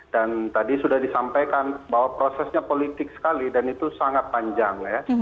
dan tadi sudah disampaikan bahwa prosesnya politik sekali dan itu sangat panjang